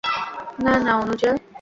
না, না, না, অনুযা।